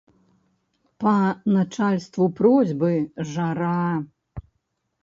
Па начальству просьбы жара!